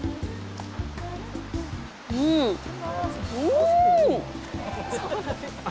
うん、うん！